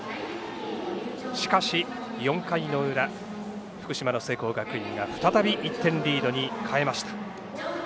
しかし、４回の裏福島の聖光学院が再び１点リードに変えました。